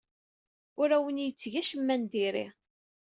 Ur awen-yetteg acemma n diri.